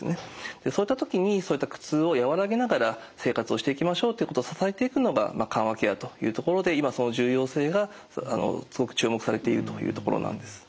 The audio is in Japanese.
そういった時にそういった苦痛を和らげながら生活をしていきましょうってことを支えていくのが緩和ケアというところで今その重要性がすごく注目されているというところなんです。